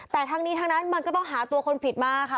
แต่ทั้งนี้ทั้งนั้นมันก็ต้องหาตัวคนผิดมาค่ะ